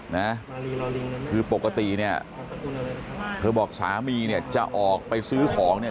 นะคือปกติเนี่ยเธอบอกสามีเนี่ยจะออกไปซื้อของเนี่ย